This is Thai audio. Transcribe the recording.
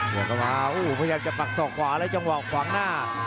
เยี่ยมกันมาพยายามจะตักส่องขวาและจังหวังขวางหน้า